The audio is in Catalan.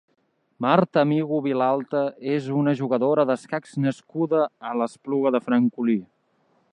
Marta Amigó Vilalta és una jugadora d'escacs nascuda a l'Espluga de Francolí.